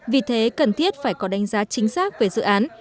vì thế cần thiết phải có đánh giá chính xác về dự án